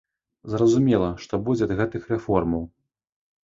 Зразумела, што будзе ад гэтых рэформаў.